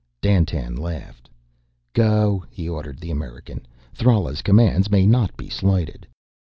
Dandtan laughed. "Go," he ordered the American. "Thrala's commands may not be slighted."